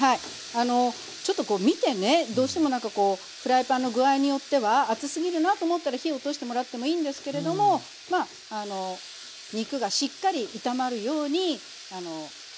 あのちょっとこう見てねどうしてもなんかこうフライパンの具合によっては熱すぎるなと思ったら火を落としてもらってもいいんですけれどもまあ肉がしっかり炒まるように火を通していきますね。